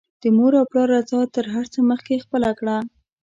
د مور او پلار رضاء تر هر څه مخکې خپله کړه